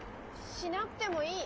しなくてもいい。